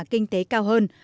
kinh tế cao hơn